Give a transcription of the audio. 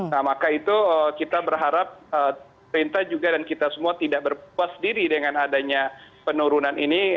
nah maka itu kita berharap perintah juga dan kita semua tidak berpuas diri dengan adanya penurunan ini